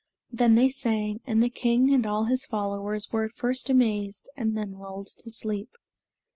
Then they sang, and the king and all his followers were at first amazed and then lulled to sleep.